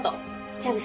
じゃあね。